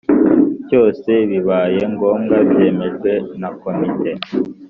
cyose bibaye ngombwa byemejwe na Komite